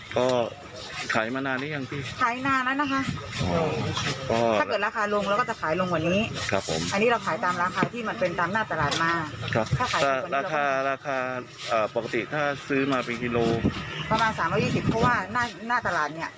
ประมาณ๓๒๐บาทเพราะว่าหน้าตลาดนี้